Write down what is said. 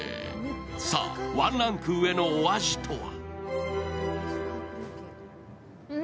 さあ、ワンランク上のお味とは？